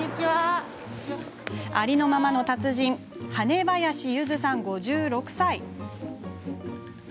ありのままの達人羽林由鶴さん５６歳。